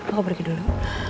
aku pergi dulu